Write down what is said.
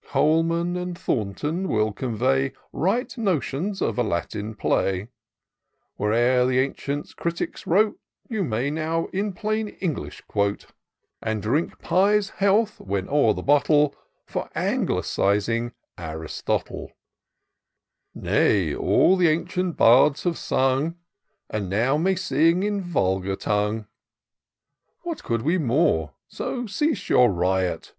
Colman and Thornton will convey Right notions of a Latin play. IN SEARCH OP THE PICTURESQUE. 323 Whate'er the ancient critics wrote^ You now may in plain English quote, And drink Pye's health, when o'er the bottle, For Anglicising Aristotle/ Nay, all the ancient bards have sung. You now may sing in vulgax tongue ! What could we more? — so cease your riot.